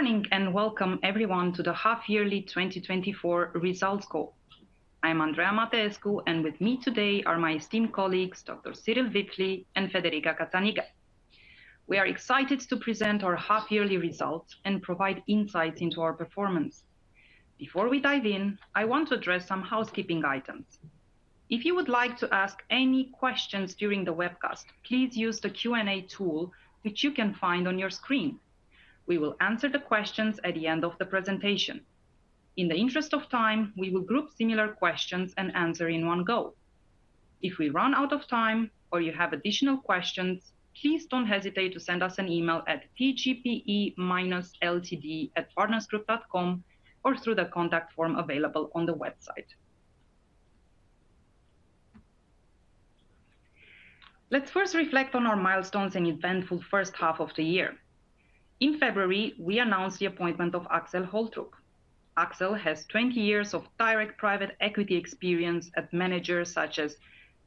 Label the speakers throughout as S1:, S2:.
S1: Good morning, and welcome everyone to the Half-Yearly 2024 Results Call. I'm Andreea Mateescu, and with me today are my esteemed colleagues, Dr. Cyril Wipfli and Federica Cazzaniga. We are excited to present our half-yearly results and provide insights into our performance. Before we dive in, I want to address some housekeeping items. If you would like to ask any questions during the webcast, please use the Q&A tool, which you can find on your screen. We will answer the questions at the end of the presentation. In the interest of time, we will group similar questions and answer in one go. If we run out of time or you have additional questions, please don't hesitate to send us an email at tgpe-ltd@partnersgroup.com or through the contact form available on the website. Let's first reflect on our milestones and eventful first half of the year. In February, we announced the appointment of Axel Holtrup. Axel has twenty years of direct private equity experience at managers such as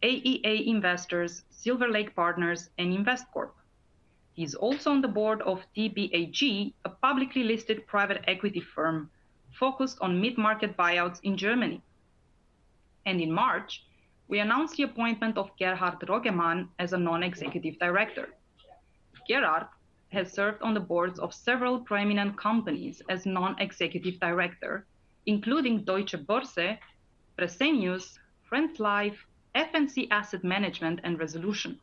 S1: AEA Investors, Silver Lake Partners, and Investcorp. He's also on the board of DBAG, a publicly listed private equity firm focused on mid-market buyouts in Germany. In March, we announced the appointment of Gerhard Roggemann as a non-executive director. Gerhard has served on the boards of several prominent companies as non-executive director, including Deutsche Börse, Fresenius, Friends Life, F&C Asset Management, and Resolution.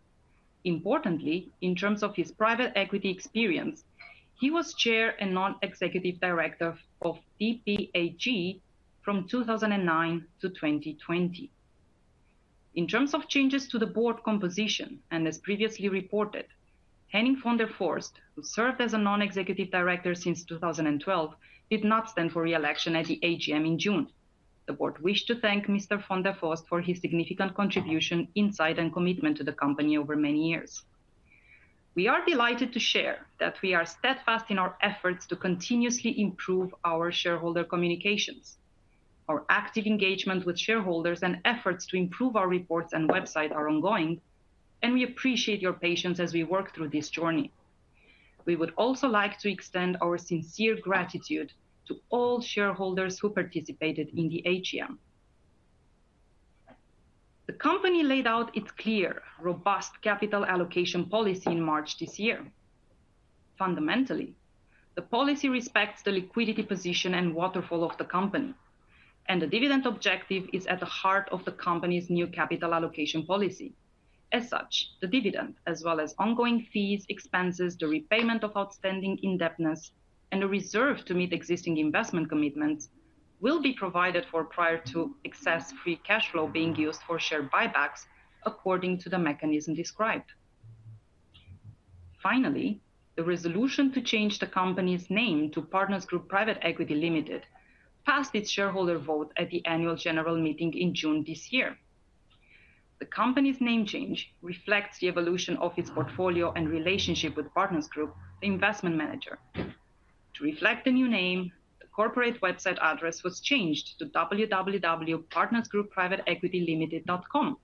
S1: Importantly, in terms of his private equity experience, he was chair and non-executive director of DBAG from two thousand and nine to twenty twenty. In terms of changes to the board composition, and as previously reported, Henning von der Forst, who served as a non-executive director since two thousand and twelve, did not stand for re-election at the AGM in June. The board wished to thank Mr. von der Forst for his significant contribution, insight, and commitment to the company over many years. We are delighted to share that we are steadfast in our efforts to continuously improve our shareholder communications. Our active engagement with shareholders and efforts to improve our reports and website are ongoing, and we appreciate your patience as we work through this journey. We would also like to extend our sincere gratitude to all shareholders who participated in the AGM. The company laid out its clear, robust capital allocation policy in March this year. Fundamentally, the policy respects the liquidity position and waterfall of the company, and the dividend objective is at the heart of the company's new capital allocation policy. As such, the dividend, as well as ongoing fees, expenses, the repayment of outstanding indebtedness, and a reserve to meet existing investment commitments, will be provided for prior to excess free cash flow being used for share buybacks according to the mechanism described. Finally, the resolution to change the company's name to Partners Group Private Equity Limited passed its shareholder vote at the annual general meeting in June this year. The company's name change reflects the evolution of its portfolio and relationship with Partners Group, the investment manager. To reflect the new name, the corporate website address was changed to www.partnersgroupprivateequitylimited.com.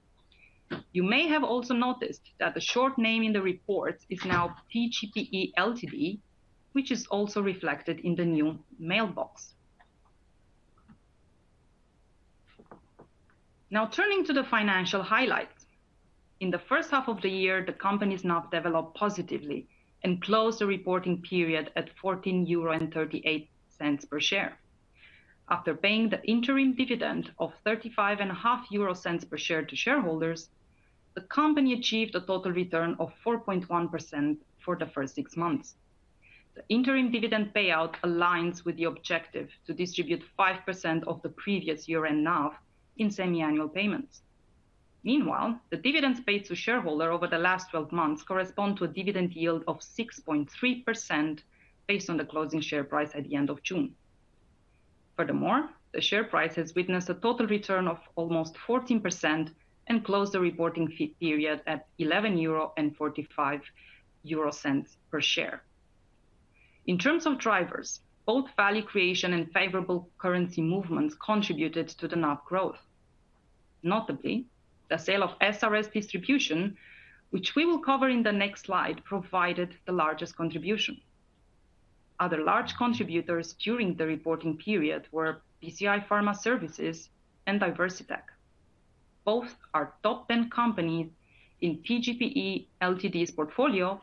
S1: You may have also noticed that the short name in the report is now PGPE LTD, which is also reflected in the new mailbox. Now, turning to the financial highlights. In the first half of the year, the company's NAV developed positively and closed the reporting period at 14.38 euro per share. After paying the interim dividend of 0.355 per share to shareholders, the company achieved a total return of 4.1% for the first six months. The interim dividend payout aligns with the objective to distribute 5% of the previous year-end NAV in semi-annual payments. Meanwhile, the dividends paid to shareholders over the last 12 months correspond to a dividend yield of 6.3% based on the closing share price at the end of June. Furthermore, the share price has witnessed a total return of almost 14% and closed the reporting period at 11.45 euro per share. In terms of drivers, both value creation and favorable currency movements contributed to the NAV growth. Notably, the sale of SRS Distribution, which we will cover in the next slide, provided the largest contribution. Other large contributors during the reporting period were PCI Pharma Services and DiversiTech. Both are top-ten companies in PGPE Ltd.'s portfolio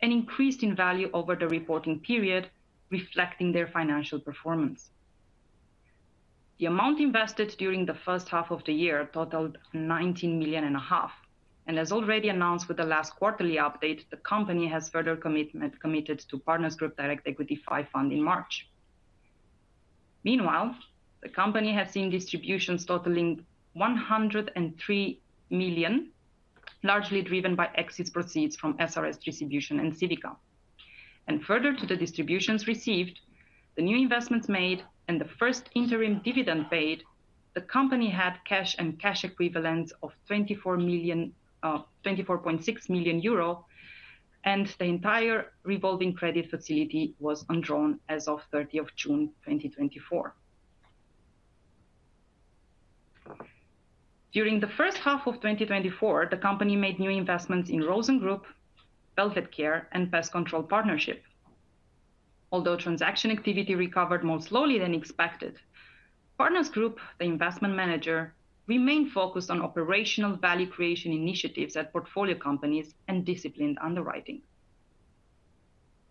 S1: and increased in value over the reporting period, reflecting their financial performance. The amount invested during the first half of the year totaled 19.5 million, and as already announced with the last quarterly update, the company has further committed to Partners Group Direct Equity V in March. Meanwhile, the company has seen distributions totaling 103 million, largely driven by exit proceeds from SRS Distribution and Civica. And further to the distributions received, the new investments made and the first interim dividend paid, the company had cash and cash equivalents of 24 million, 24.6 million euro, and the entire revolving credit facility was undrawn as of 30 June 2024. During the first half of 2024, the company made new investments in Rosen Group, Velvet CARE, and Pest Control Partnership. Although transaction activity recovered more slowly than expected, Partners Group, the investment manager, remained focused on operational value creation initiatives at portfolio companies and disciplined underwriting.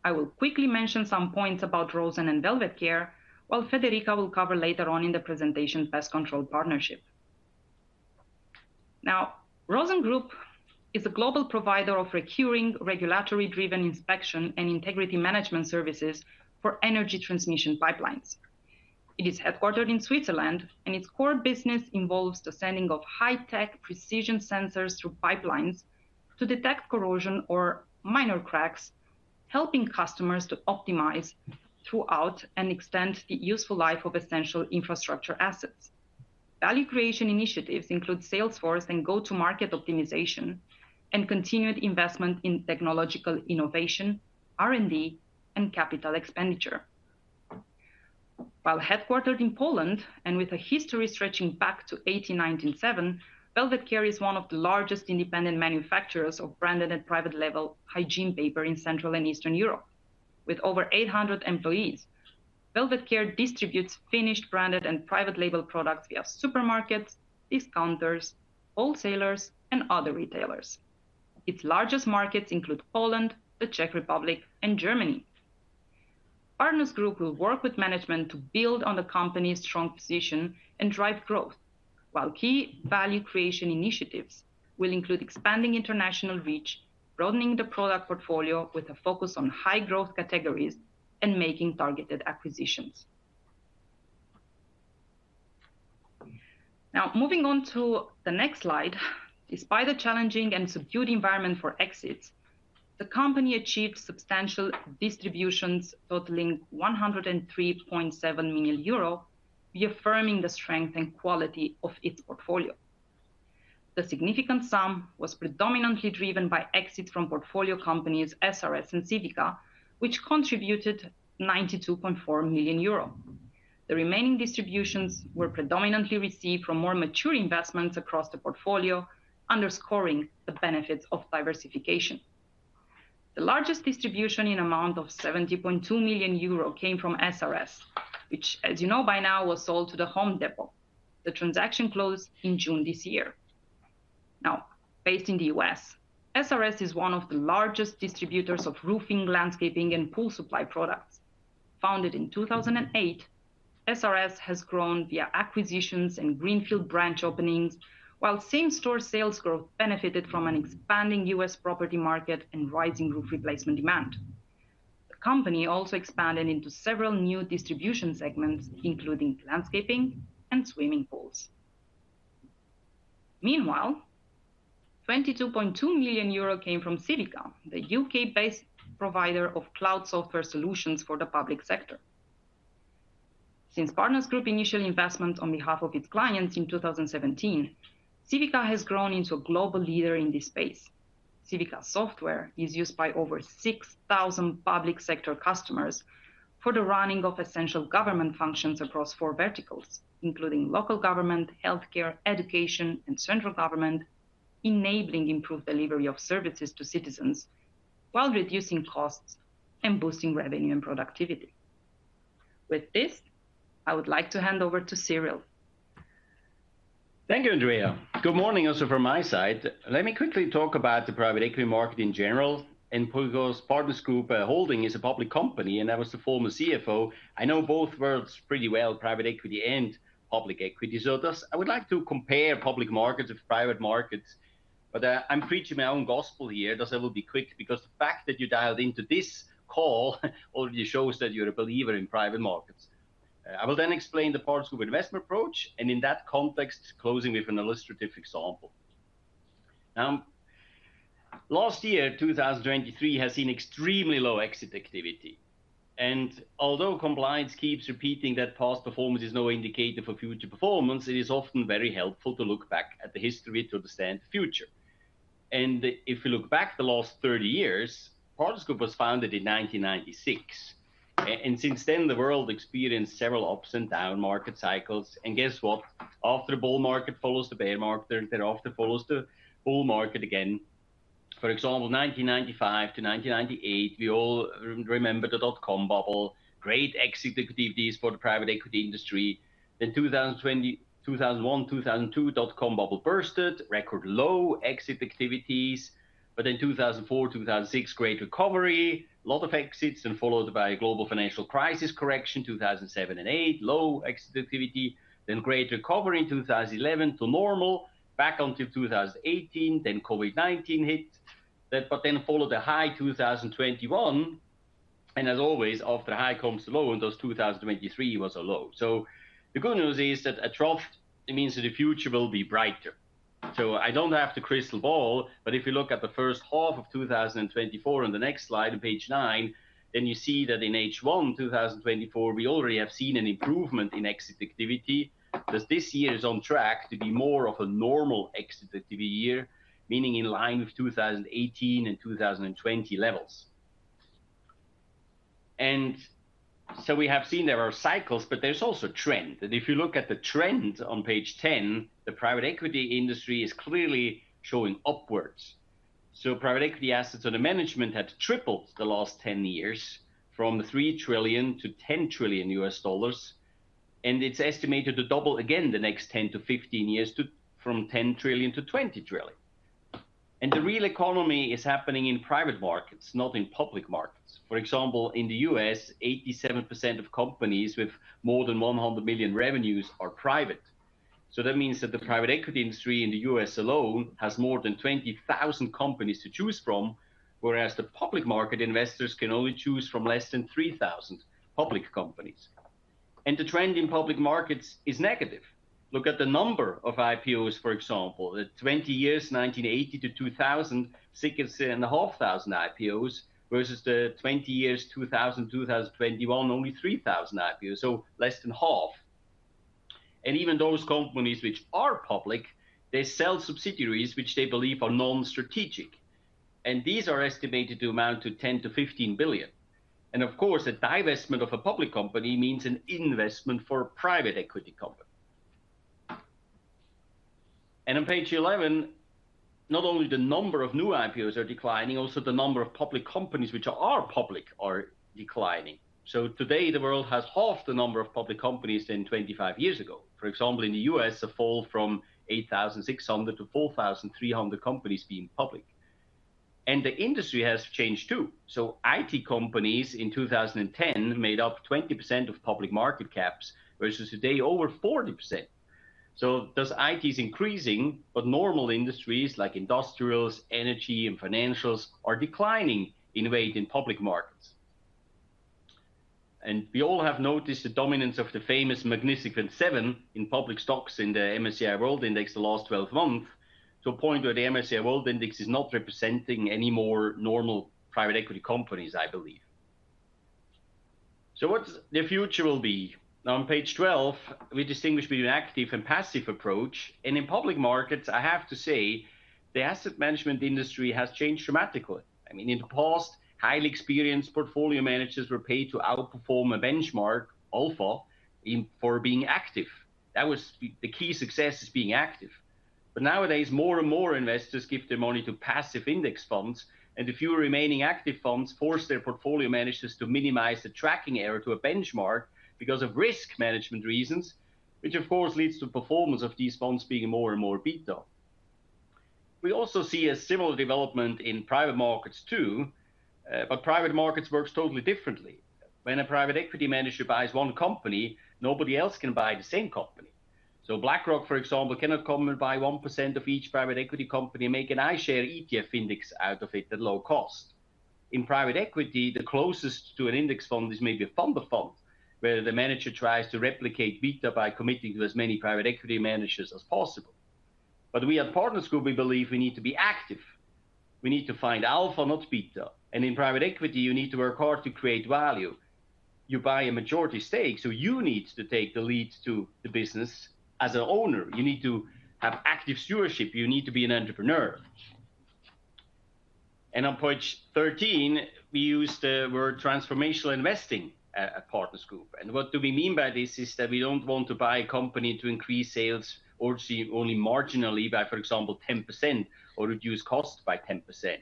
S1: I will quickly mention some points about Rosen and Velvet CARE, while Federica will cover later on in the presentation, Pest Control Partnership. Now, Rosen Group is a global provider of recurring, regulatory-driven inspection and integrity management services for energy transmission pipelines. It is headquartered in Switzerland, and its core business involves the sending of high-tech precision sensors through pipelines to detect corrosion or minor cracks, helping customers to optimize throughput and extend the useful life of essential infrastructure assets. Value creation initiatives include Salesforce and go-to-market optimization, and continued investment in technological innovation, R&D, and capital expenditure. While headquartered in Poland, and with a history stretching back to 1897, Velvet CARE is one of the largest independent manufacturers of branded and private label hygiene paper in Central and Eastern Europe, with over 800 employees. Velvet CARE distributes finished, branded, and private label products via supermarkets, discounters, wholesalers, and other retailers. Its largest markets include Poland, the Czech Republic, and Germany. Partners Group will work with management to build on the company's strong position and drive growth, while key value creation initiatives will include expanding international reach, broadening the product portfolio with a focus on high-growth categories, and making targeted acquisitions. Now, moving on to the next slide. Despite the challenging and subdued environment for exits, the company achieved substantial distributions totaling 103.7 million euro, reaffirming the strength and quality of its portfolio. The significant sum was predominantly driven by exits from portfolio companies, SRS and Civica, which contributed 92.4 million euro. The remaining distributions were predominantly received from more mature investments across the portfolio, underscoring the benefits of diversification. The largest distribution in amount of 70.2 million euro came from SRS, which, as you know by now, was sold to The Home Depot. The transaction closed in June this year. Now, based in the U.S., SRS is one of the largest distributors of roofing, landscaping, and pool supply products. Founded in 2008, SRS has grown via acquisitions and greenfield branch openings, while same-store sales growth benefited from an expanding U.S. property market and rising roof replacement demand. The company also expanded into several new distribution segments, including landscaping and swimming pools. Meanwhile, 22.2 million euro came from Civica, the U.K.-based provider of cloud software solutions for the public sector. Since Partners Group's initial investment on behalf of its clients in 2017, Civica has grown into a global leader in this space. Civica software is used by over 6,000 public sector customers for the running of essential government functions across four verticals, including local government, healthcare, education, and central government, enabling improved delivery of services to citizens while reducing costs and boosting revenue and productivity. With this, I would like to hand over to Cyril.
S2: Thank you, Andreea. Good morning also from my side. Let me quickly talk about the private equity market in general, and because Partners Group Holding is a public company, and I was the former CFO, I know both worlds pretty well, private equity and public equity. So thus, I would like to compare public markets with private markets, but, I'm preaching my own gospel here, thus I will be quick, because the fact that you dialed into this call already shows that you're a believer in private markets. I will then explain the Partners Group investment approach, and in that context, closing with an illustrative example. Now, last year, 2023, has seen extremely low exit activity, and although compliance keeps repeating that past performance is no indicator for future performance, it is often very helpful to look back at the history to understand the future. If you look back the last 30 years, Partners Group was founded in 1996, and since then, the world experienced several ups and downs market cycles. Guess what? After the bull market follows the bear market, and then after follows the bull market again. For example, 1995-1998, we all remember the dot-com bubble. Great exit activities for the private equity industry. Then 2001, 2002, dot-com bubble burst, record low exit activities. But in 2004, 2006, great recovery, a lot of exits, and followed by a global financial crisis correction, 2007 and 2008, low exit activity. Then great recovery in two thousand and eleven to normal, back until 2018, then COVID-19 hit. That, but then followed a high 2021, and as always, after the high comes the low, and thus 2023 was a low. So the good news is that a trough. It means that the future will be brighter. So I don't have the crystal ball, but if you look at the first half of 2024 on the next slide, page 9, then you see that in H1 2024, we already have seen an improvement in exit activity, because this year is on track to be more of a normal exit activity year, meaning in line with 2018 and 2020 levels. And so we have seen there are cycles, but there's also trend. And if you look at the trend on page 10, the private equity industry is clearly showing upwards. Private equity assets under management have tripled the last 10 years, from $3 trillion to $10 trillion, and it's estimated to double again the next 10-15 years to from $10 trillion-$20 trillion. The real economy is happening in private markets, not in public markets. For example, in the U.S., 87% of companies with more than 100 million revenues are private. That means that the private equity industry in the U.S. alone has more than 20,000 companies to choose from, whereas the public market investors can only choose from less than 3,000 public companies. The trend in public markets is negative. Look at the number of IPOs, for example. The 20 years, 1980-2000, 6,500 IPOs, versus the 20 years, 2000-2021, only 3,000 IPOs, so less than half. And even those companies which are public, they sell subsidiaries which they believe are non-strategic, and these are estimated to amount to $10 billion-$15 billion. And of course, a divestment of a public company means an investment for a private equity company. And on page eleven, not only the number of new IPOs are declining, also the number of public companies which are public are declining. So today, the world has half the number of public companies than twenty-five years ago. For example, in the U.S., a fall from 8,600 to 4,300 companies being public. And the industry has changed, too. IT companies in 2010 made up 20% of public market caps, versus today, over 40%. Thus IT is increasing, but normal industries like industrials, energy, and financials are declining in weight in public markets. We all have noticed the dominance of the famous Magnificent Seven in public stocks in the MSCI World Index the last 12 months, to a point where the MSCI World Index is not representing any more normal private equity companies, I believe. What the future will be? Now, on page 12, we distinguish between active and passive approach. In public markets, I have to say, the asset management industry has changed dramatically. I mean, in the past, highly experienced portfolio managers were paid to outperform a benchmark, alpha, for being active. That was. The key success is being active. But nowadays, more and more investors give their money to passive index funds, and the fewer remaining active funds force their portfolio managers to minimize the tracking error to a benchmark because of risk management reasons, which of course leads to performance of these funds being more and more beta. We also see a similar development in private markets, too, but private markets works totally differently. When a private equity manager buys one company, nobody else can buy the same company. So BlackRock, for example, cannot come and buy 1% of each private equity company and make an iShares ETF index out of it at low cost. In private equity, the closest to an index fund is maybe a fund of funds, where the manager tries to replicate beta by committing to as many private equity managers as possible. But we at Partners Group, we believe we need to be active. We need to find alpha, not beta. And in private equity, you need to work hard to create value. You buy a majority stake, so you need to take the lead to the business as an owner. You need to have active stewardship. You need to be an entrepreneur. And on page 13, we use the word transformational investing at Partners Group. And what do we mean by this, is that we don't want to buy a company to increase sales or see only marginally by, for example, 10%, or reduce cost by 10%.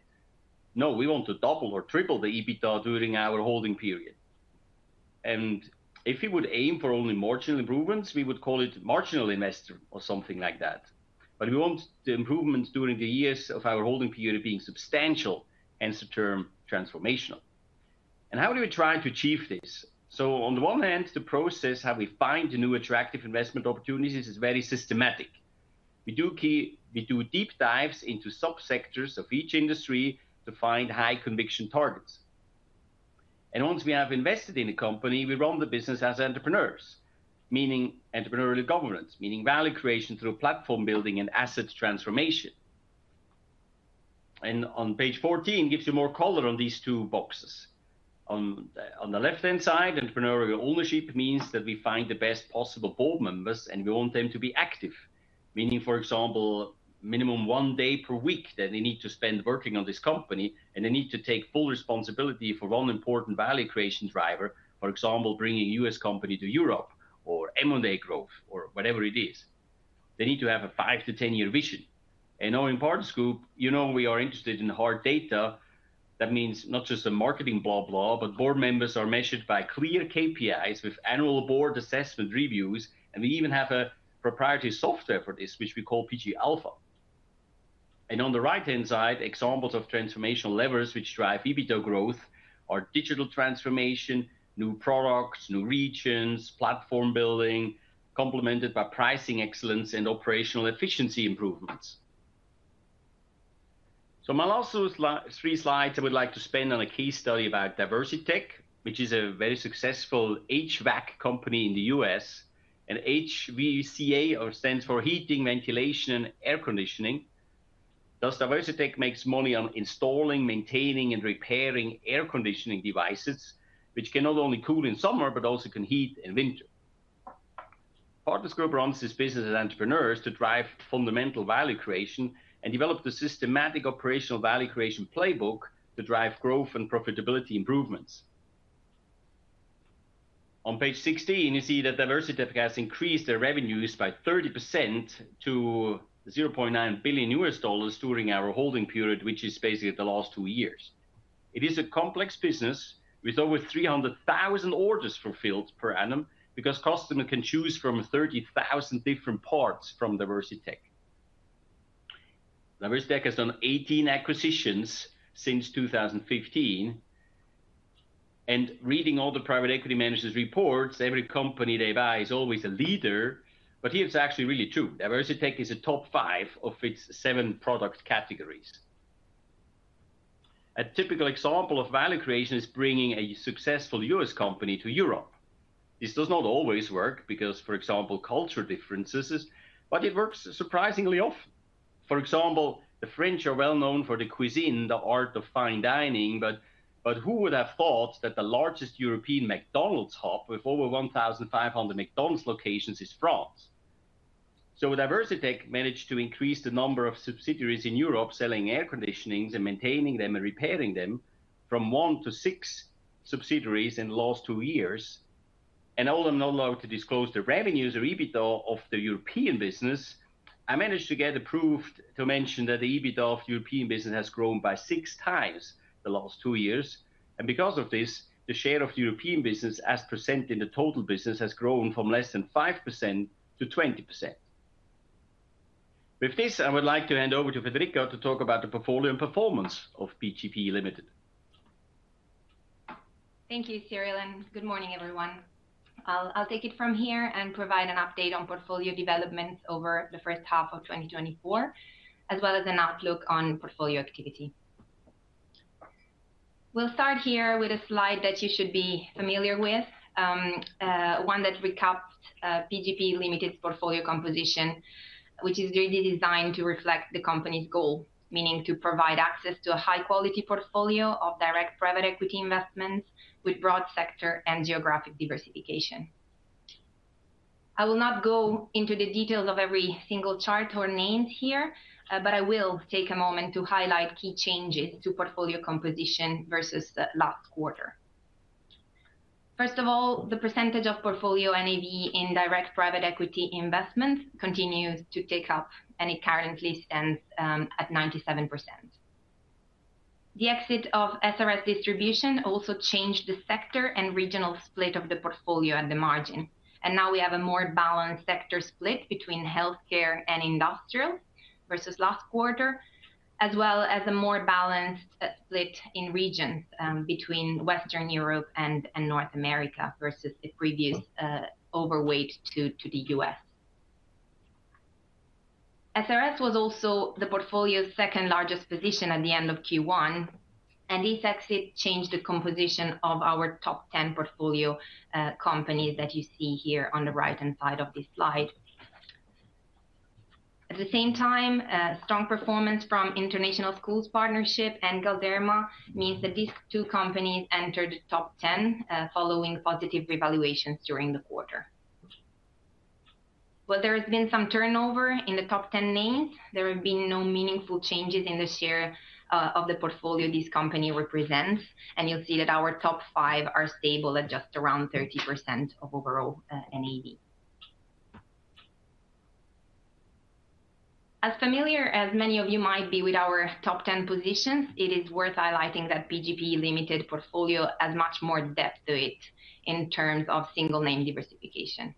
S2: No, we want to double or triple the EBITDA during our holding period. And if we would aim for only marginal improvements, we would call it marginal investing or something like that. But we want the improvements during the years of our holding period being substantial, hence the term transformational. And how do we try to achieve this? So on the one hand, the process, how we find the new attractive investment opportunities, is very systematic. We do deep dives into sub-sectors of each industry to find high-conviction targets. And once we have invested in a company, we run the business as entrepreneurs, meaning entrepreneurial governance, meaning value creation through platform building and asset transformation. And on page fourteen, gives you more color on these two boxes. On the left-hand side, entrepreneurial ownership means that we find the best possible board members, and we want them to be active. Meaning, for example, minimum one day per week that they need to spend working on this company, and they need to take full responsibility for one important value creation driver. For example, bringing a U.S. company to Europe, or M&A growth, or whatever it is. They need to have a five-to-10-year vision. And now in Partners Group, you know we are interested in hard data. That means not just the marketing blah, blah, but board members are measured by clear KPIs with annual board assessment reviews, and we even have a proprietary software for this, which we call PG Alpha. And on the right-hand side, examples of transformational levers which drive EBITDA growth are digital transformation, new products, new regions, platform building, complemented by pricing excellence and operational efficiency improvements. So my last three slides, I would like to spend on a case study about DiversiTech, which is a very successful HVAC company in the US. And HVAC, which stands for heating, ventilation, and air conditioning. Thus, DiversiTech makes money on installing, maintaining, and repairing air conditioning devices, which can not only cool in summer, but also can heat in winter. Partners Group runs this business as entrepreneurs to drive fundamental value creation and develop the systematic operational value creation playbook to drive growth and profitability improvements. On page sixteen, you see that DiversiTech has increased their revenues by 30% to $0.9 billion during our holding period, which is basically the last two years. It is a complex business with over 300,000 orders fulfilled per annum, because customer can choose from 30,000 different parts from DiversiTech. DiversiTech has done eighteen acquisitions since 2015, and reading all the private equity managers' reports, every company they buy is always a leader, but here it's actually really true. DiversiTech is a top five of its seven product categories. A typical example of value creation is bringing a successful US company to Europe. This does not always work because, for example, cultural differences, but it works surprisingly often. For example, the French are well known for the cuisine, the art of fine dining, but who would have thought that the largest European McDonald's hub, with over 1,500 McDonald's locations, is France? So DiversiTech managed to increase the number of subsidiaries in Europe, selling air conditioners and maintaining them and repairing them, from one to six subsidiaries in the last two years. Although I'm not allowed to disclose the revenues or EBITDA of the European business, I managed to get approved to mention that the EBITDA of European business has grown by six times the last two years. Because of this, the share of the European business as percent in the total business has grown from less than 5%-20%. With this, I would like to hand over to Federica to talk about the portfolio and performance of PGP Limited.
S3: Thank you, Cyril, and good morning, everyone. I'll take it from here and provide an update on portfolio developments over the first half of twenty twenty-four, as well as an outlook on portfolio activity. We'll start here with a slide that you should be familiar with, one that recaps PGP Limited's portfolio composition, which is really designed to reflect the company's goal, meaning to provide access to a high-quality portfolio of direct private equity investments with broad sector and geographic diversification. I will not go into the details of every single chart or name here, but I will take a moment to highlight key changes to portfolio composition versus the last quarter. First of all, the percentage of portfolio NAV in direct private equity investments continues to tick up, and it currently stands at 97%. The exit of SRS Distribution also changed the sector and regional split of the portfolio at the margin, and now we have a more balanced sector split between healthcare and industrial versus last quarter, as well as a more balanced split in regions between Western Europe and North America versus the previous overweight to the US. SRS was also the portfolio's second-largest position at the end of Q1, and this exit changed the composition of our top ten portfolio companies that you see here on the right-hand side of this slide. At the same time, strong performance from International Schools Partnership and Galderma means that these two companies entered the top ten following positive revaluations during the quarter. While there has been some turnover in the top 10 names, there have been no meaningful changes in the share of the portfolio these companies represent, and you'll see that our top five are stable at just around 30% of overall NAV. As familiar as many of you might be with our top 10 positions, it is worth highlighting that PGPE Limited portfolio has much more depth to it in terms of single name diversification.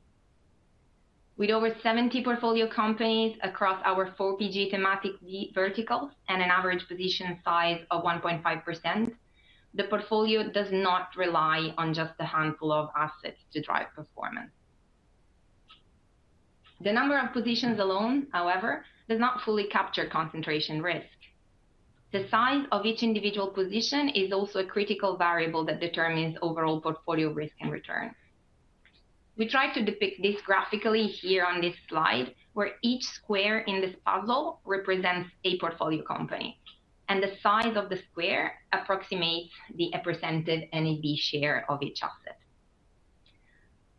S3: With over 70 portfolio companies across our four PG thematic verticals and an average position size of 1.5%, the portfolio does not rely on just a handful of assets to drive performance. The number of positions alone, however, does not fully capture concentration risk. The size of each individual position is also a critical variable that determines overall portfolio risk and return. We try to depict this graphically here on this slide, where each square in this puzzle represents a portfolio company, and the size of the square approximates the represented NAV share of each asset.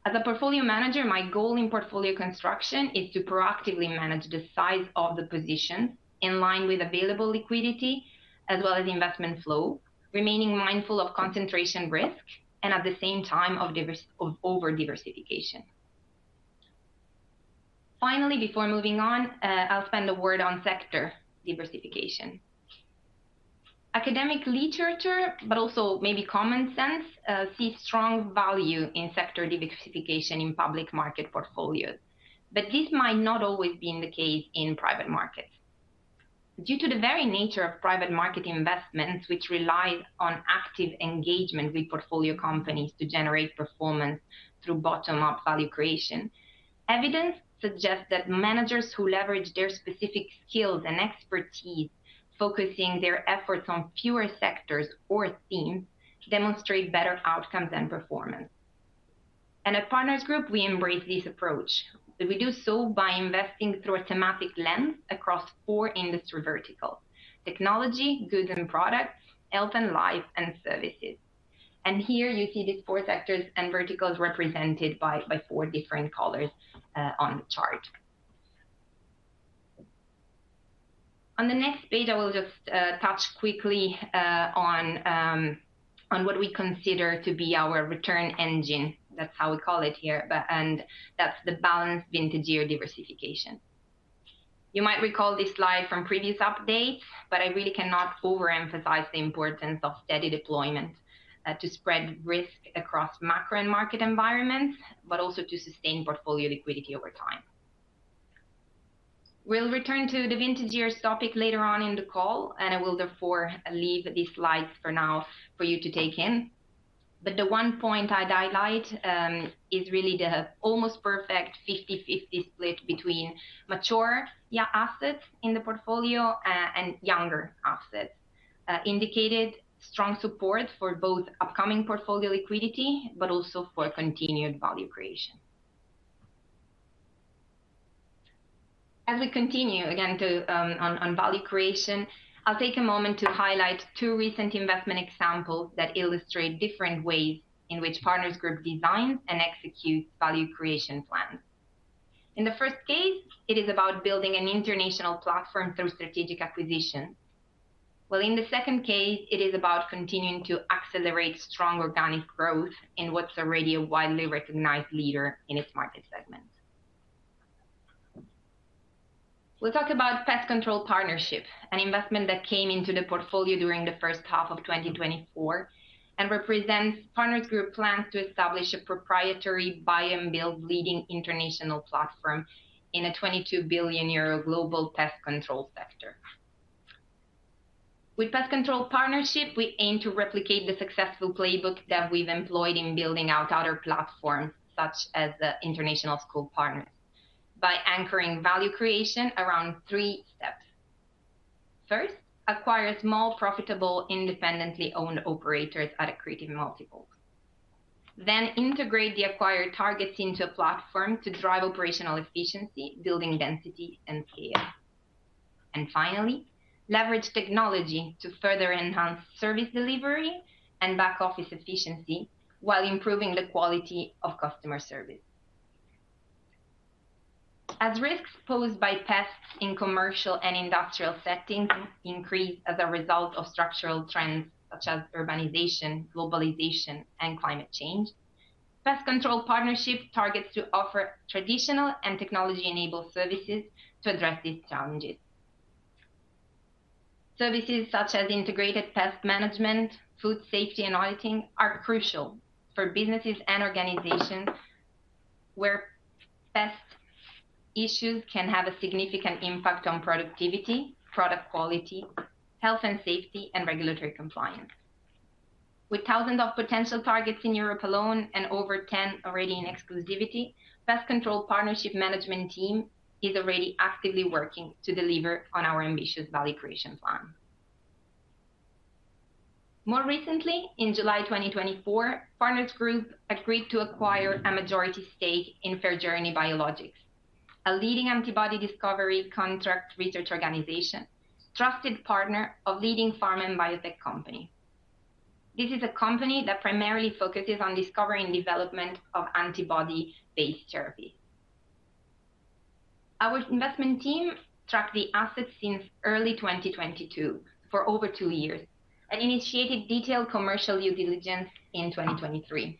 S3: As a portfolio manager, my goal in portfolio construction is to proactively manage the size of the position in line with available liquidity as well as investment flow, remaining mindful of concentration risk and at the same time, of diversification and over-diversification. Finally, before moving on, I'll spend a word on sector diversification. Academic literature, but also maybe common sense, sees strong value in sector diversification in public market portfolios. But this might not always be the case in private markets. Due to the very nature of private market investments, which relies on active engagement with portfolio companies to generate performance through bottom-up value creation, evidence suggests that managers who leverage their specific skills and expertise, focusing their efforts on fewer sectors or themes, demonstrate better outcomes and performance and at Partners Group, we embrace this approach, and we do so by investing through a thematic lens across four industry verticals: technology, goods and products, health and life, and services, and here you see these four sectors and verticals represented by four different colors on the chart. On the next page, I will just touch quickly on what we consider to be our return engine. That's how we call it here, and that's the balanced vintage year diversification. You might recall this slide from previous updates, but I really cannot overemphasize the importance of steady deployment to spread risk across macro and market environments, but also to sustain portfolio liquidity over time. We'll return to the vintages topic later on in the call, and I will therefore leave these slides for now for you to take in. But the one point I'd highlight is really the almost perfect fifty-fifty split between mature year assets in the portfolio and younger assets. Indicated strong support for both upcoming portfolio liquidity, but also for continued value creation. As we continue on value creation, I'll take a moment to highlight two recent investment examples that illustrate different ways in which Partners Group designs and executes value creation plans. In the first case, it is about building an international platform through strategic acquisition. While in the second case, it is about continuing to accelerate strong organic growth in what's already a widely recognized leader in its market segment. Let's talk about Pest Control Partnership, an investment that came into the portfolio during the first half of 2024, and represents Partners Group's plans to establish a proprietary buy and build leading international platform in a 22 billion euro global pest control sector. With Pest Control Partnership, we aim to replicate the successful playbook that we've employed in building out other platforms, such as the International Schools Partners, by anchoring value creation around three steps. First, acquire small, profitable, independently owned operators at accretive multiples. Then integrate the acquired targets into a platform to drive operational efficiency, building density and scale. And finally, leverage technology to further enhance service delivery and back office efficiency while improving the quality of customer service. As risks posed by pests in commercial and industrial settings increase as a result of structural trends such as urbanization, globalization, and climate change, Pest Control Partnership targets to offer traditional and technology-enabled services to address these challenges. Services such as integrated pest management, food safety, and auditing are crucial for businesses and organizations where pest issues can have a significant impact on productivity, product quality, health and safety, and regulatory compliance. With thousands of potential targets in Europe alone, and over 10 already in exclusivity, Pest Control Partnership management team is already actively working to deliver on our ambitious value creation plan. More recently, in July 2024, Partners Group agreed to acquire a majority stake in FairJourney Biologics, a leading antibody discovery contract research organization, trusted partner of leading pharma and biotech company. This is a company that primarily focuses on discovery and development of antibody-based therapy. Our investment team tracked the assets since early 2022 for over two years, and initiated detailed commercial due diligence in 2023.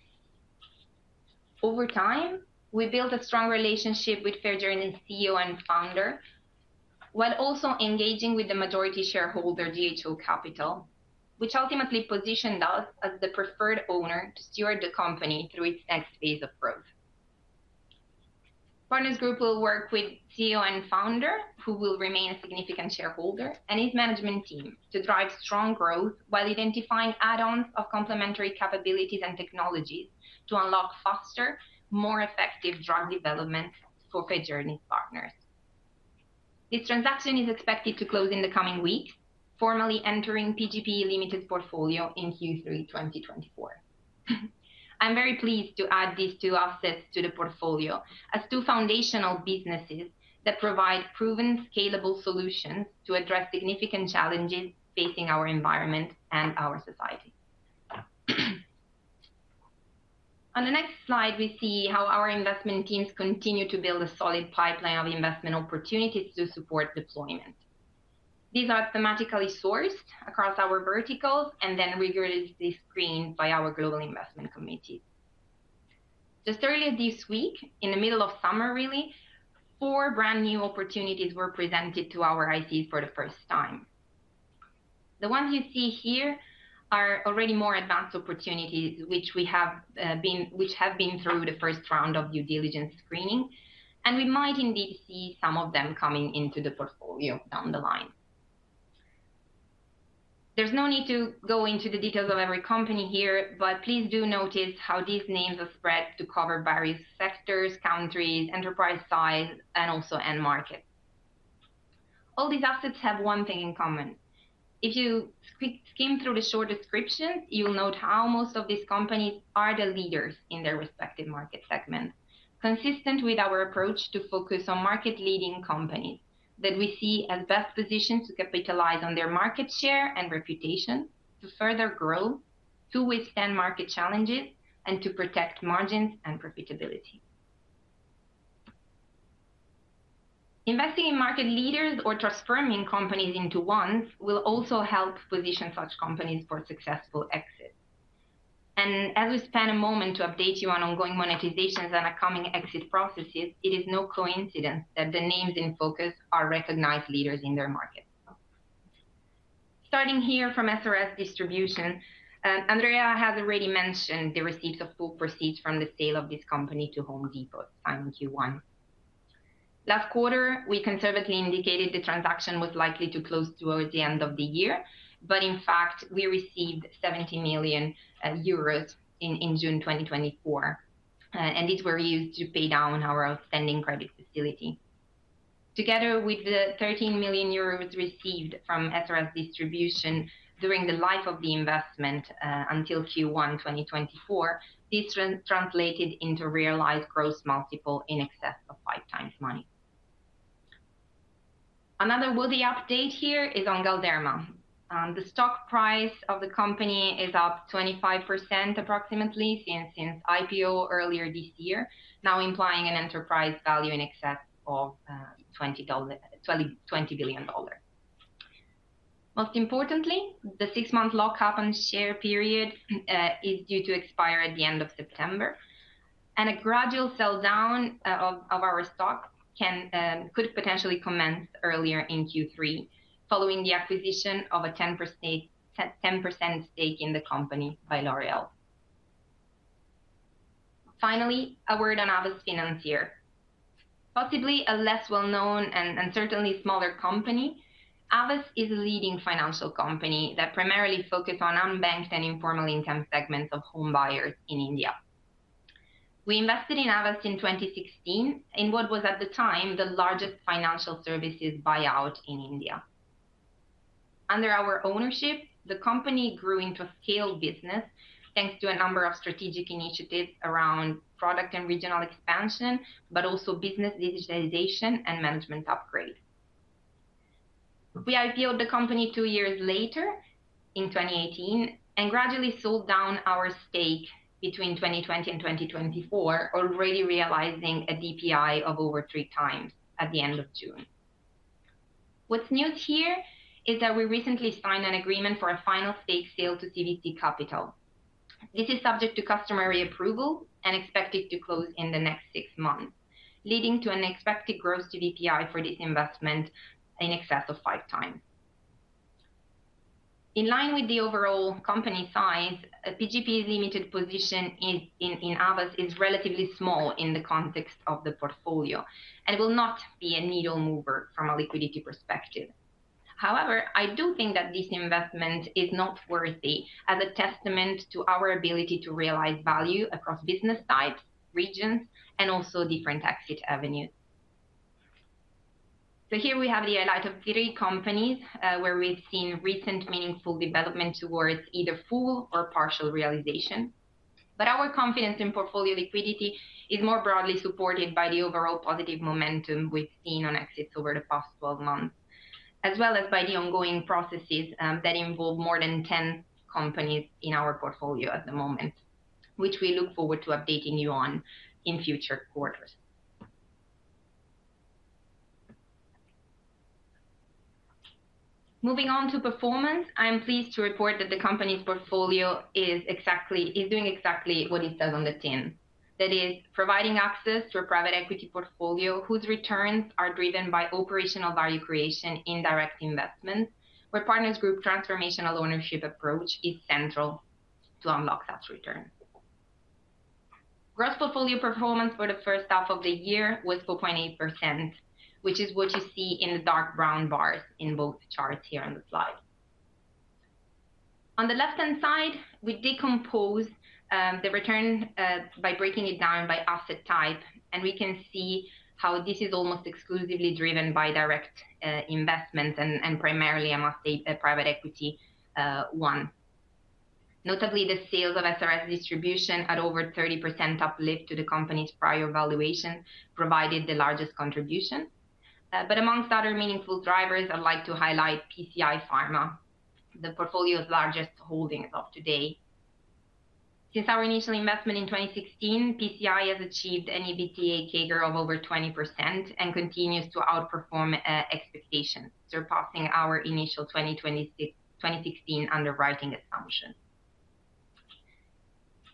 S3: Over time, we built a strong relationship with FairJourney CEO and founder, while also engaging with the majority shareholder, GHO Capital, which ultimately positioned us as the preferred owner to steward the company through its next phase of growth. Partners Group will work with CEO and founder, who will remain a significant shareholder, and his management team to drive strong growth while identifying add-ons of complementary capabilities and technologies to unlock faster, more effective drug development for FairJourney partners. This transaction is expected to close in the coming weeks, formally entering PGPE Limited portfolio in Q3 2024. I'm very pleased to add these two assets to the portfolio as two foundational businesses that provide proven, scalable solutions to address significant challenges facing our environment and our society. On the next slide, we see how our investment teams continue to build a solid pipeline of investment opportunities to support deployment. These are thematically sourced across our verticals and then rigorously screened by our global investment committee. Just earlier this week, in the middle of summer, really, four brand-new opportunities were presented to our IC for the first time. The ones you see here are already more advanced opportunities, which have been through the first round of due diligence screening, and we might indeed see some of them coming into the portfolio down the line. There's no need to go into the details of every company here, but please do notice how these names are spread to cover various sectors, countries, enterprise size, and also end markets. All these assets have one thing in common. If you skim through the short description, you'll note how most of these companies are the leaders in their respective market segments, consistent with our approach to focus on market-leading companies... that we see as best positioned to capitalize on their market share and reputation to further grow, to withstand market challenges, and to protect margins and profitability. Investing in market leaders or transforming companies into ones will also help position such companies for successful exits. And as we spend a moment to update you on ongoing monetizations and upcoming exit processes, it is no coincidence that the names in focus are recognized leaders in their markets. Starting here from SRS Distribution, Andreea has already mentioned the receipt of full proceeds from the sale of this company to Home Depot on Q1. Last quarter, we conservatively indicated the transaction was likely to close towards the end of the year, but in fact, we received 70 million euros in June 2024, and these were used to pay down our outstanding credit facility. Together with the 13 million euros received from SRS Distribution during the life of the investment, until Q1 2024, this translated into realized gross multiple in excess of five times money. Another worthy update here is on Galderma. The stock price of the company is up 25% approximately since IPO earlier this year, now implying an enterprise value in excess of $20 billion. Most importantly, the six-month lockup on share period is due to expire at the end of September, and a gradual sell down of our stock could potentially commence earlier in Q3, following the acquisition of a 10% stake in the company by L'Oréal. Finally, a word on Aavas Financiers. Possibly a less well-known and certainly smaller company, Aavas is a leading financial company that primarily focus on unbanked and informal income segments of home buyers in India. We invested in Aavas in 2016, in what was at the time, the largest financial services buyout in India. Under our ownership, the company grew into a scale business, thanks to a number of strategic initiatives around product and regional expansion, but also business digitization and management upgrade. We IPO'd the company two years later in 2018, and gradually sold down our stake between 2020 and 2024, already realizing a DPI of over three times at the end of June. What's new here is that we recently signed an agreement for a final stake sale to CVC Capital. This is subject to customary approval and expected to close in the next six months, leading to an expected gross to DPI for this investment in excess of five times. In line with the overall company size, PGPE Limited's position in Aavas is relatively small in the context of the portfolio, and will not be a needle mover from a liquidity perspective. However, I do think that this investment is noteworthy as a testament to our ability to realize value across business types, regions, and also different exit avenues. Here we have the highlight of three companies, where we've seen recent meaningful development towards either full or partial realization. Our confidence in portfolio liquidity is more broadly supported by the overall positive momentum we've seen on exits over the past twelve months, as well as by the ongoing processes that involve more than ten companies in our portfolio at the moment, which we look forward to updating you on in future quarters. Moving on to performance, I am pleased to report that the company's portfolio is doing exactly what it says on the tin. That is, providing access to a private equity portfolio whose returns are driven by operational value creation in direct investments, where Partners Group transformational ownership approach is central to unlock that return. Gross portfolio performance for the first half of the year was 4.8%, which is what you see in the dark brown bars in both charts here on the slide. On the left-hand side, we decompose the return by breaking it down by asset type, and we can see how this is almost exclusively driven by direct investments and primarily a multi-private equity one. Notably, the sale of SRS Distribution at over 30% uplift to the company's prior valuation provided the largest contribution. But amongst other meaningful drivers, I'd like to highlight PCI Pharma, the portfolio's largest holding today. Since our initial investment in twenty sixteen, PCI has achieved an EBITDA CAGR of over 20% and continues to outperform expectations, surpassing our initial twenty sixteen underwriting assumption.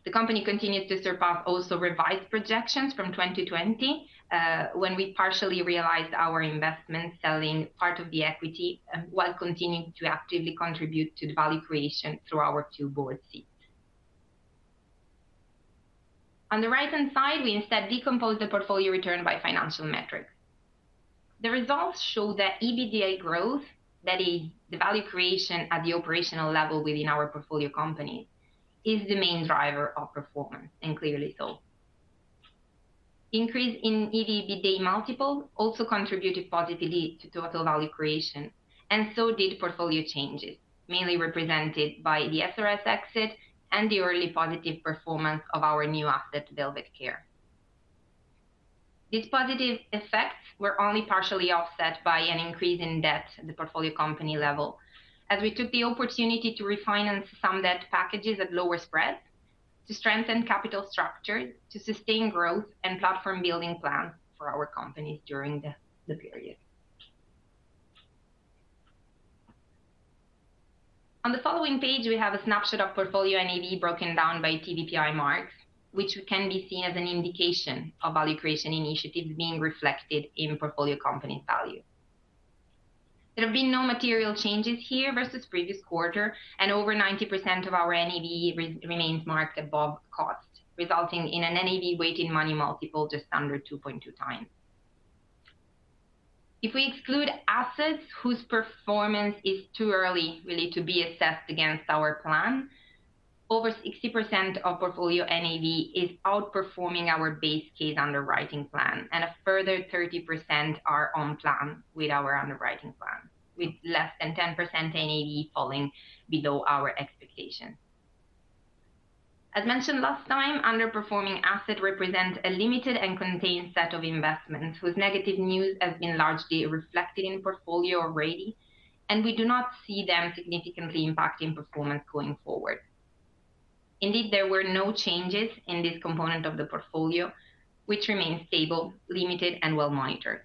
S3: The company continued to surpass also revised projections from 2020, when we partially realized our investment, selling part of the equity, while continuing to actively contribute to the value creation through our two board seats. On the right-hand side, we instead decompose the portfolio return by financial metrics. The results show that EBITDA growth, that is, the value creation at the operational level within our portfolio company, is the main driver of performance, and clearly so. Increase in EBITDA multiple also contributed positively to total value creation, and so did portfolio changes, mainly represented by the SRS exit and the early positive performance of our new asset, Velvet CARE. These positive effects were only partially offset by an increase in debt at the portfolio company level, as we took the opportunity to refinance some debt packages at lower spreads to strengthen capital structure, to sustain growth, and platform building plan for our companies during the period. On the following page, we have a snapshot of portfolio NAV broken down by TVPI marks, which can be seen as an indication of value creation initiatives being reflected in portfolio company value. There have been no material changes here versus previous quarter, and over 90% of our NAV remains marked above cost, resulting in an NAV weighted money multiple just under 2.2x. If we exclude assets whose performance is too early, really, to be assessed against our plan, over 60% of portfolio NAV is outperforming our base case underwriting plan, and a further 30% are on plan with our underwriting plan, with less than 10% NAV falling below our expectations. As mentioned last time, underperforming assets represent a limited and contained set of investments, with negative news has been largely reflected in portfolio already, and we do not see them significantly impacting performance going forward. Indeed, there were no changes in this component of the portfolio, which remains stable, limited, and well-monitored.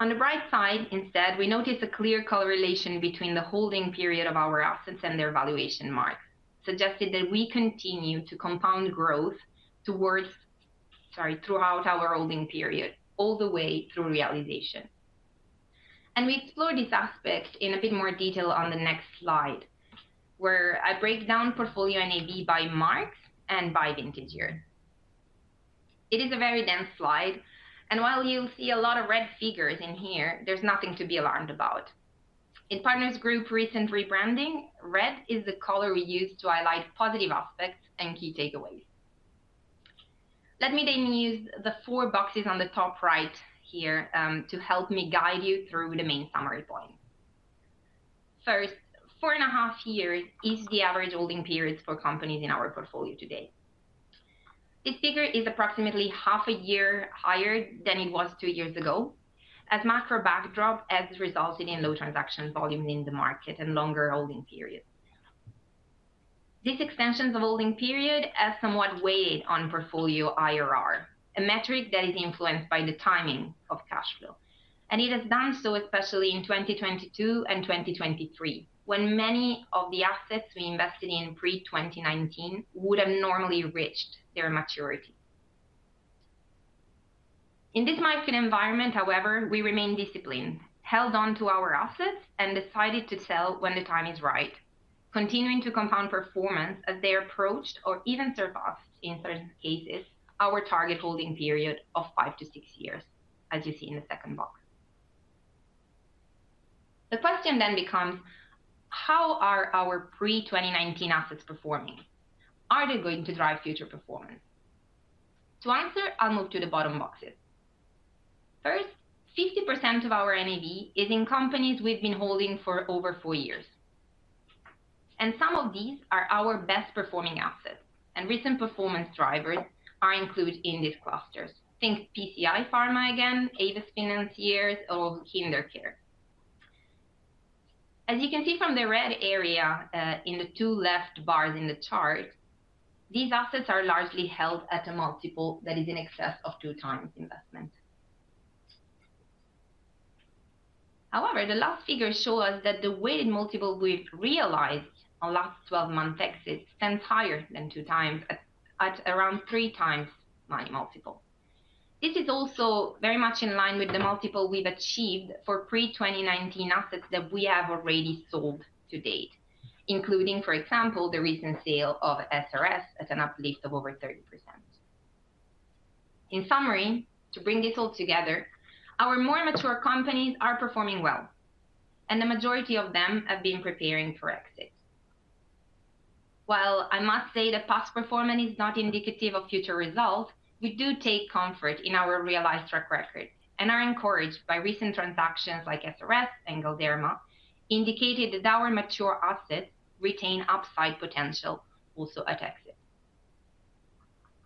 S3: On the bright side, instead, we notice a clear correlation between the holding period of our assets and their valuation mark, suggesting that we continue to compound growth throughout our holding period, all the way through realization. We explore this aspect in a bit more detail on the next slide, where I break down portfolio NAV by mark and by vintage year. It is a very dense slide, and while you see a lot of red figures in here, there's nothing to be alarmed about. In Partners Group recent rebranding, red is the color we use to highlight positive aspects and key takeaways. Let me then use the four boxes on the top right here, to help me guide you through the main summary points. First, four and a half years is the average holding periods for companies in our portfolio today. This figure is approximately half a year higher than it was two years ago, as macro backdrop has resulted in low transaction volumes in the market and longer holding periods. This extension of holding period has somewhat weighed on portfolio IRR, a metric that is influenced by the timing of cash flow, and it has done so especially in 2022 and 2023, when many of the assets we invested in pre-2019 would have normally reached their maturity. In this market environment, however, we remain disciplined, held on to our assets, and decided to sell when the time is right, continuing to compound performance as they approached or even surpassed, in certain cases, our target holding period of five to six years, as you see in the second box. The question then becomes: How are our pre-twenty nineteen assets performing? Are they going to drive future performance? To answer, I'll move to the bottom boxes. First, 50% of our NAV is in companies we've been holding for over four years, and some of these are our best-performing assets, and recent performance drivers are included in these clusters. Think PCI Pharma again, Aavas Financiers, or KinderCare. As you can see from the red area in the two left bars in the chart, these assets are largely held at a multiple that is in excess of two times investment. However, the last figures show us that the weighted multiple we've realized on last 12-month exits stands higher than two times, at around three times my multiple. This is also very much in line with the multiple we've achieved for pre-2019 assets that we have already sold to date, including, for example, the recent sale of SRS at an uplift of over 30%. In summary, to bring this all together, our more mature companies are performing well, and the majority of them have been preparing for exit. While I must say that past performance is not indicative of future results, we do take comfort in our realized track record and are encouraged by recent transactions like SRS and Galderma, indicating that our mature assets retain upside potential also at exit.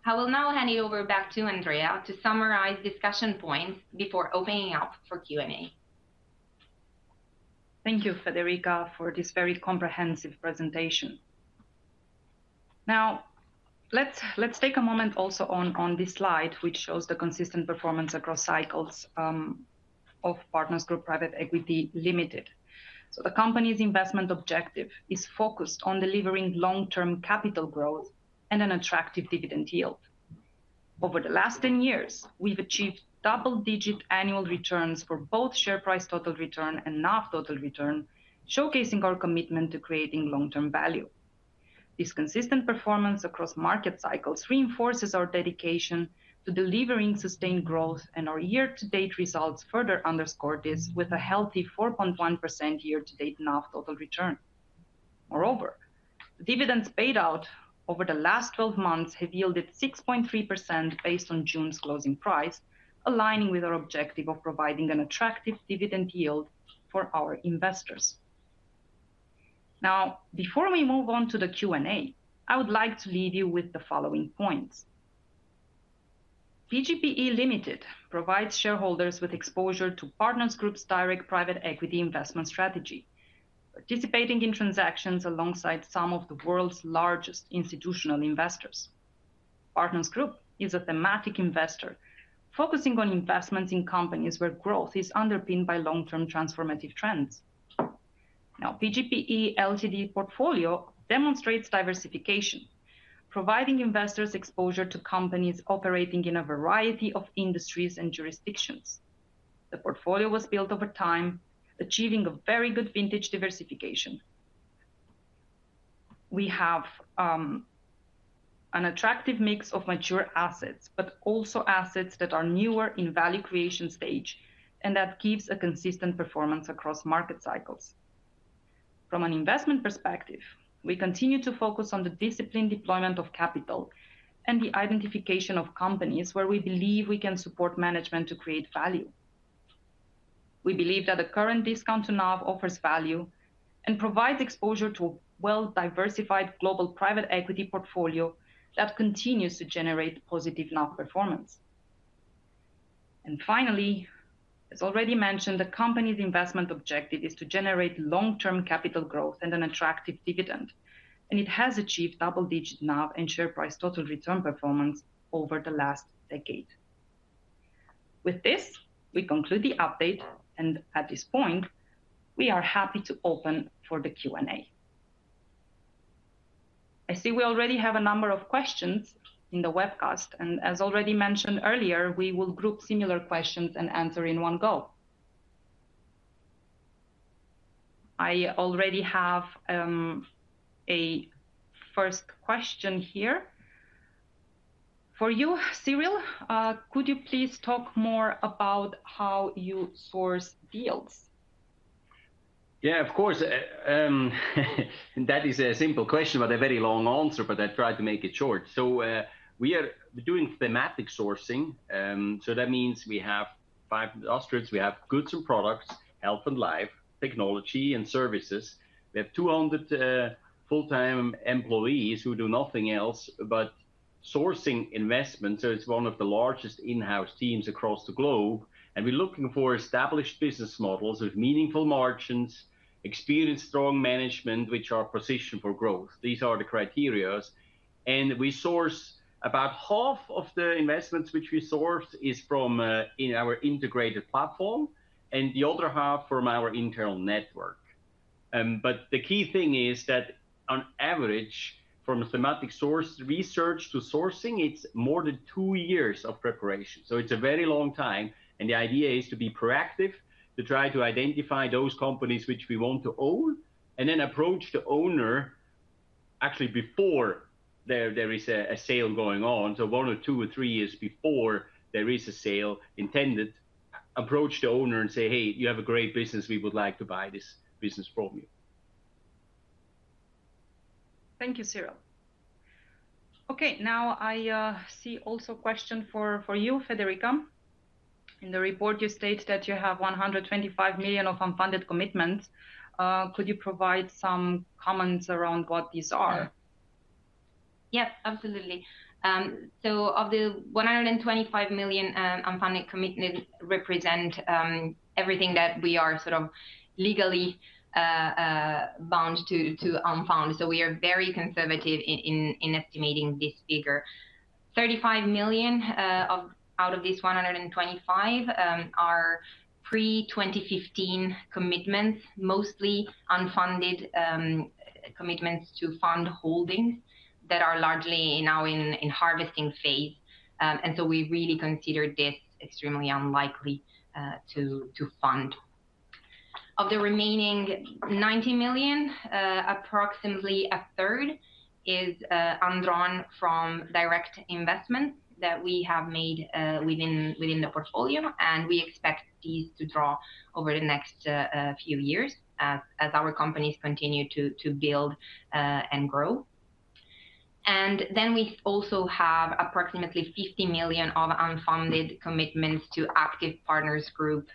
S3: I will now hand you over back to Andreea to summarize discussion points before opening up for Q&A.
S1: Thank you, Federica, for this very comprehensive presentation. Now, let's take a moment also on this slide, which shows the consistent performance across cycles of Partners Group Private Equity Limited. So the company's investment objective is focused on delivering long-term capital growth and an attractive dividend yield. Over the last 10 years, we've achieved double-digit annual returns for both share price total return and NAV total return, showcasing our commitment to creating long-term value. This consistent performance across market cycles reinforces our dedication to delivering sustained growth, and our year-to-date results further underscore this with a healthy 4.1% year-to-date NAV total return. Moreover, the dividends paid out over the last twelve months have yielded 6.3% based on June's closing price, aligning with our objective of providing an attractive dividend yield for our investors.... Now, before we move on to the Q&A, I would like to leave you with the following points. PGPE Limited provides shareholders with exposure to Partners Group's direct private equity investment strategy, participating in transactions alongside some of the world's largest institutional investors. Partners Group is a thematic investor, focusing on investments in companies where growth is underpinned by long-term transformative trends. Now, PGPE Ltd.'s portfolio demonstrates diversification, providing investors exposure to companies operating in a variety of industries and jurisdictions. The portfolio was built over time, achieving a very good vintage diversification. We have an attractive mix of mature assets, but also assets that are newer in value creation stage, and that gives a consistent performance across market cycles. From an investment perspective, we continue to focus on the disciplined deployment of capital and the identification of companies where we believe we can support management to create value. We believe that the current discount to NAV offers value and provides exposure to a well-diversified global private equity portfolio that continues to generate positive NAV performance. And finally, as already mentioned, the company's investment objective is to generate long-term capital growth and an attractive dividend, and it has achieved double-digit NAV and share price total return performance over the last decade. With this, we conclude the update, and at this point, we are happy to open for the Q&A. I see we already have a number of questions in the webcast, and as already mentioned earlier, we will group similar questions and answer in one go. I already have a first question here. For you, Cyril, could you please talk more about how you source deals?
S2: Yeah, of course. That is a simple question, but a very long answer, but I try to make it short. We are doing thematic sourcing, so that means we have five thrusts. We have goods and products, health and life, technology and services. We have 200 full-time employees who do nothing else but sourcing investment, so it is one of the largest in-house teams across the globe. We are looking for established business models with meaningful margins, experienced, strong management, which are positioned for growth. These are the criteria, and we source about half of the investments which we source from our integrated platform, and the other half from our internal network. But the key thing is that on average, from a thematic sourcing research to sourcing, it is more than two years of preparation. So it's a very long time, and the idea is to be proactive, to try to identify those companies which we want to own, and then approach the owner actually before there is a sale going on. So one or two or three years before there is a sale intended, approach the owner and say, "Hey, you have a great business. We would like to buy this business from you.
S1: Thank you, Cyril. Okay, now I see also a question for you, Federica. In the report, you state that you have 125 million of unfunded commitments. Could you provide some comments around what these are?
S3: Yeah. Yes, absolutely. So of the 125 million, unfunded commitment represent everything that we are sort of legally bound to unfund. So we are very conservative in estimating this figure. 35 million out of this 125 million are pre-2015 commitments, mostly unfunded commitments to fund holdings that are largely now in harvesting phase. And so we really consider this extremely unlikely to fund. Of the remaining 90 million, approximately a third is undrawn from direct investments that we have made within the portfolio, and we expect these to draw over the next few years as our companies continue to build and grow. And then we also have approximately 50 million of unfunded commitments to active Partners Group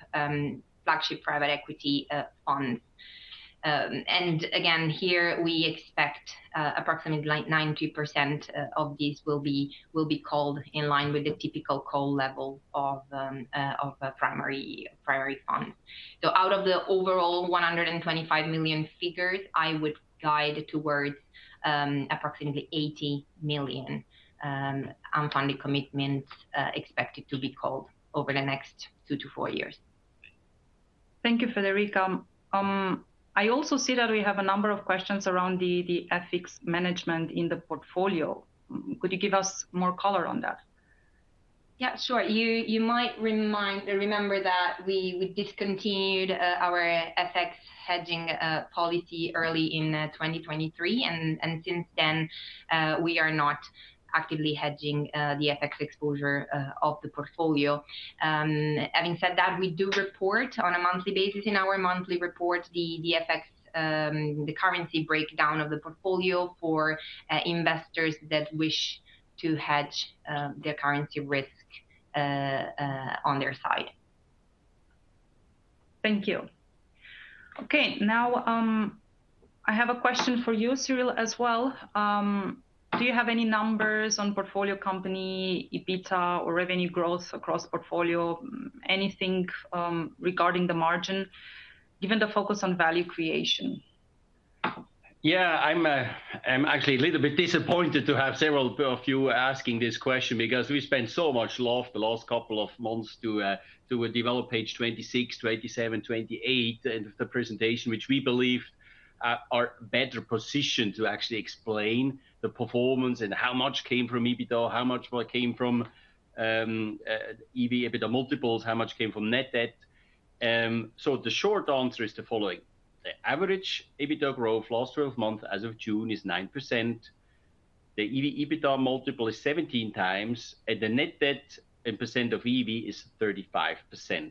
S3: flagship private equity funds. And again, here, we expect approximately like 90% of these will be called in line with the typical call level of a primary fund. So out of the overall 125 million figures, I would guide towards approximately 80 million unfunded commitments expected to be called over the next two to four years.
S1: Thank you, Federica. I also see that we have a number of questions around the FX management in the portfolio. Could you give us more color on that?
S3: Yeah, sure. You might remember that we discontinued our FX hedging policy early in 2023, and since then we are not actively hedging the FX exposure of the portfolio. Having said that, we do report on a monthly basis in our monthly report, the FX, the currency breakdown of the portfolio for investors that wish to hedge their currency risk on their side.
S1: Thank you. Okay, now, I have a question for you, Cyril, as well. Do you have any numbers on portfolio company, EBITDA, or revenue growth across portfolio? Anything, regarding the margin, given the focus on value creation?
S2: Yeah, I'm actually a little bit disappointed to have several of you asking this question, because we spent so much the last couple of months to develop page 26, 27, 28 of the presentation, which we believe are better positioned to actually explain the performance and how much came from EBITDA, how much more came from EV/EBITDA multiples, how much came from net debt. So the short answer is the following: the average EBITDA growth last twelve month as of June is 9%. The EV/EBITDA multiple is 17 times, and the net debt in percent of EV is 35%.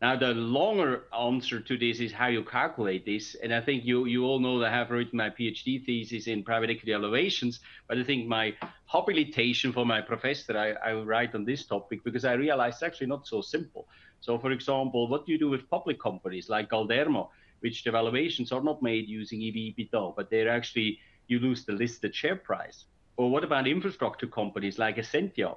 S2: Now, the longer answer to this is how you calculate this, and I think you all know that I have written my PhD thesis in private equity valuations, but I think my habilitation for my professor, I will write on this topic, because I realized it's actually not so simple. So, for example, what do you do with public companies like Galderma, which valuations are not made using EV/EBITDA, but they're actually you lose the listed share price? Or what about infrastructure companies like Esentia,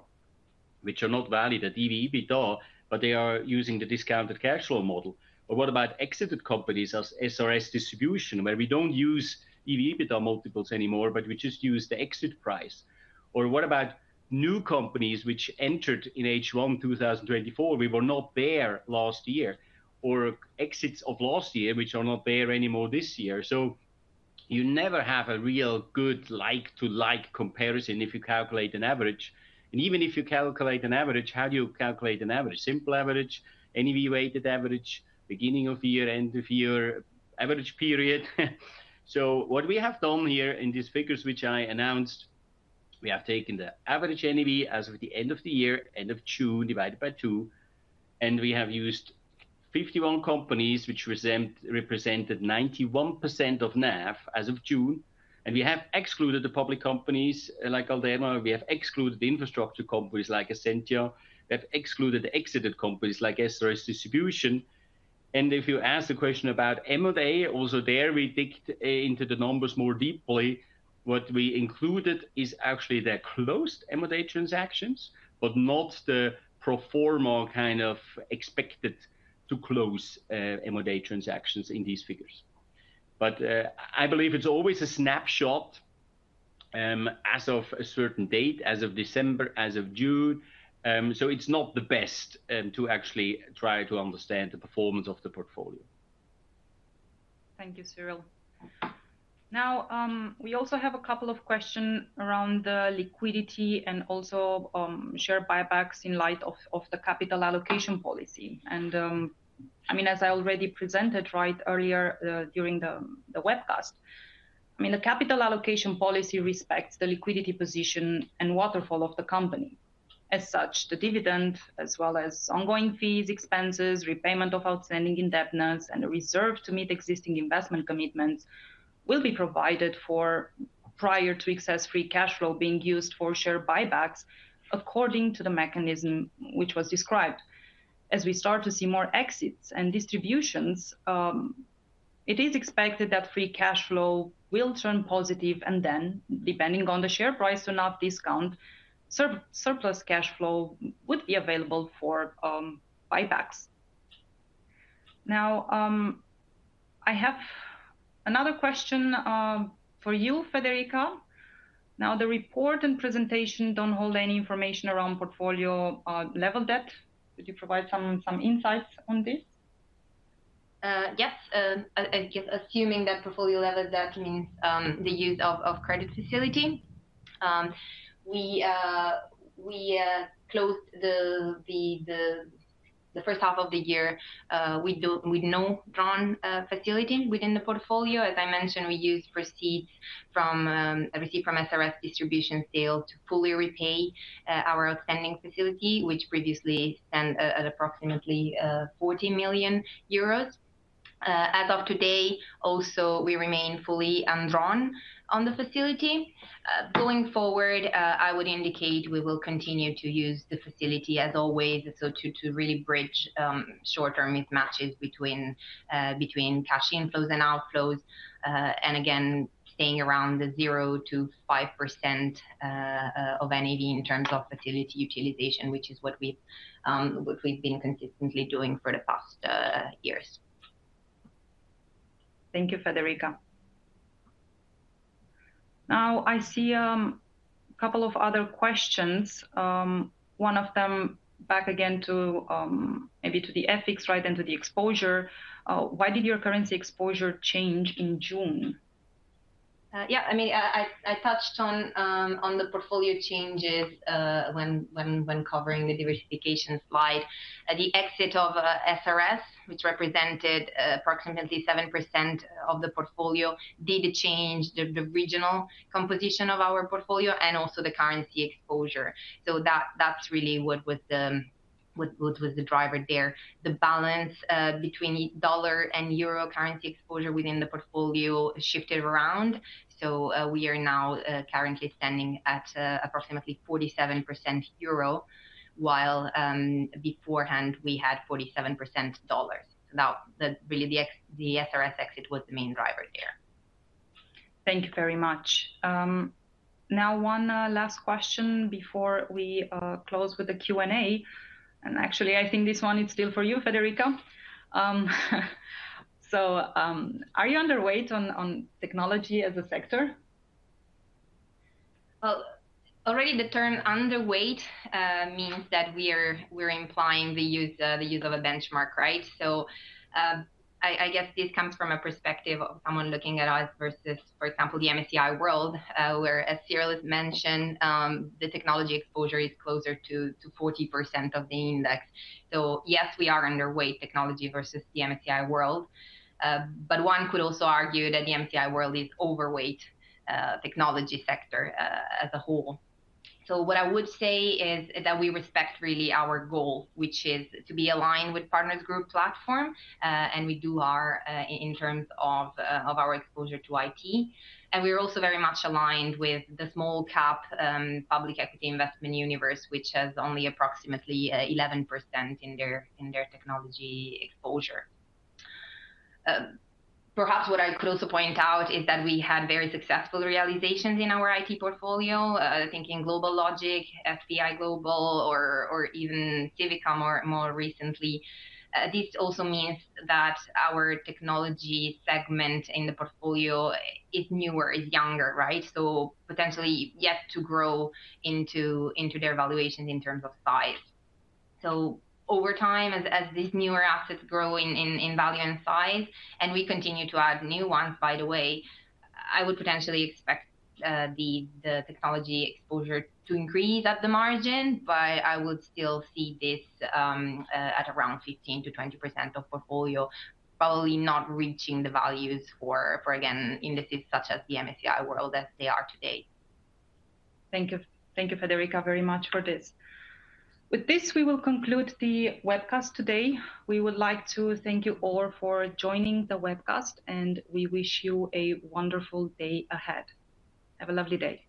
S2: which are not valued at EV/EBITDA, but they are using the discounted cash flow model. Or what about exited companies as SRS Distribution, where we don't use EV/EBITDA multiples anymore, but we just use the exit price? Or what about new companies which entered in H1 2024, we were not there last year, or exits of last year, which are not there anymore this year? So you never have a real good like-for-like comparison if you calculate an average. And even if you calculate an average, how do you calculate an average? Simple average, NAV-weighted average, beginning of the year, end of year, average period? So what we have done here in these figures, which I announced, we have taken the average NAV as of the end of the year, end of June, divided by two, and we have used fifty-one companies, which represented 91% of NAV as of June, and we have excluded the public companies like Galderma. We have excluded the infrastructure companies like Esentia. We have excluded exited companies like SRS Distribution. And if you ask the question about M&A, also there, we dug into the numbers more deeply. What we included is actually the closed M&A transactions, but not the pro forma kind of expected to close M&A transactions in these figures. But I believe it's always a snapshot as of a certain date, as of December, as of June, so it's not the best to actually try to understand the performance of the portfolio.
S1: Thank you, Cyril. Now, we also have a couple of questions around the liquidity and also share buybacks in light of the capital allocation policy. I mean, as I already presented right earlier during the webcast, I mean, the capital allocation policy respects the liquidity position and waterfall of the company. As such, the dividend, as well as ongoing fees, expenses, repayment of outstanding indebtedness, and the reserve to meet existing investment commitments, will be provided for prior to excess free cash flow being used for share buybacks, according to the mechanism which was described. As we start to see more exits and distributions, it is expected that free cash flow will turn positive, and then, depending on the share price or the discount, surplus cash flow would be available for buybacks. Now, I have another question for you, Federica. Now, the report and presentation don't hold any information around portfolio level debt. Could you provide some insights on this?
S3: Yes, I guess assuming that portfolio level debt means the use of credit facility. We closed the first half of the year with no drawn facility within the portfolio. As I mentioned, we used proceeds from a receipt from SRS Distribution sale to fully repay our outstanding facility, which previously stand at approximately 40 million euros. As of today, also, we remain fully undrawn on the facility. Going forward, I would indicate we will continue to use the facility as always, so to really bridge short-term mismatches between cash inflows and outflows, and again, staying around the 0%-5% of NAV in terms of facility utilization, which is what we've been consistently doing for the past years.
S1: Thank you, Federica. Now, I see a couple of other questions. One of them back again to maybe to the equities right under the exposure. Why did your currency exposure change in June?
S3: Yeah, I mean, I touched on the portfolio changes when covering the diversification slide. At the exit of SRS, which represented approximately 70% of the portfolio, did change the regional composition of our portfolio and also the currency exposure. So that's really what was the driver there. The balance between dollar and euro currency exposure within the portfolio shifted around, so we are now currently standing at approximately 47% euro, while beforehand we had 47% dollars. Now, really, the SRS exit was the main driver there.
S1: Thank you very much. Now one last question before we close with the Q&A, and actually, I think this one is still for you, Federica. So, are you underweight on technology as a sector?
S3: Already the term underweight means that we're implying the use of a benchmark, right? So, I guess this comes from a perspective of someone looking at us versus, for example, the MSCI World, where, as Cyril has mentioned, the technology exposure is closer to 40% of the index. So yes, we are underweight technology versus the MSCI World. But one could also argue that the MSCI World is overweight technology sector as a whole. So what I would say is that we respect really our goal, which is to be aligned with Partners Group platform, and we do our in terms of our exposure to IT. And we are also very much aligned with the small cap public equity investment universe, which has only approximately 11% in their technology exposure. Perhaps what I could also point out is that we had very successful realizations in our IT portfolio, thinking GlobalLogic, SPi Global, or even Civica more recently. This also means that our technology segment in the portfolio is newer, is younger, right? So potentially yet to grow into their valuation in terms of size. So over time, as these newer assets grow in value and size, and we continue to add new ones, by the way, I would potentially expect the technology exposure to increase at the margin. But I would still see this at around 15%-20% of portfolio, probably not reaching the values for again indices such as the MSCI World as they are today.
S1: Thank you. Thank you, Federica, very much for this. With this, we will conclude the webcast today. We would like to thank you all for joining the webcast, and we wish you a wonderful day ahead. Have a lovely day.